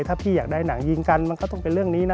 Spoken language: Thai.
ถ้าพี่อยากได้หนังยิงกันมันก็ต้องเป็นเรื่องนี้นะ